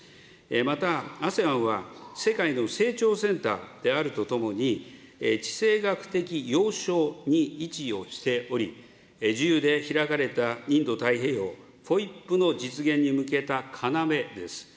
また、ＡＳＥＡＮは世界の成長センターであるとともに、地政学的要衝に位置をしており、自由で開かれたインド太平洋・ＦＯＩＰの実現に向けた要です。